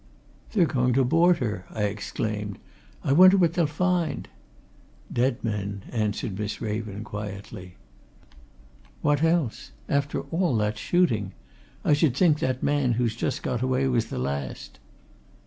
"They're going to board her!" I exclaimed. "I wonder what they'll find?" "Dead men!" answered Miss Raven, quietly. "What else? After all that shooting! I should think that man who's just got away was the last."